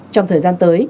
trong thời gian tới